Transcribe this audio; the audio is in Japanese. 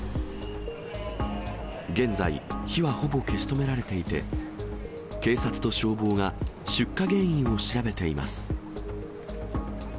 現在、火はほぼ消し止められていて、警察と消防が出火原因を調べています。